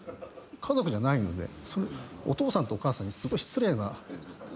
家族じゃないのでお父さんとお母さんにすごい失礼な。